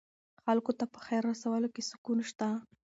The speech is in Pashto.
خلکو ته په خیر رسولو کې سکون شته.